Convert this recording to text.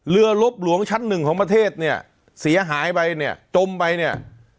ลบหลวงชั้นหนึ่งของประเทศเนี่ยเสียหายไปเนี่ยจมไปเนี่ย